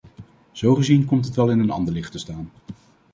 Zo gezien komt het wel in een ander licht te staan.